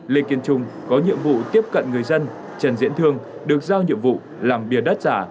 lê kiên trung có nhiệm vụ tiếp cận người dân trần diễn thương được giao nhiệm vụ làm bia đất giả